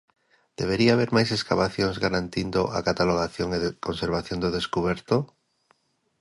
Debería haber máis escavacións garantindo a catalogación e conservación do descuberto?